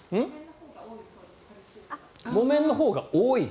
木綿のほうが多い？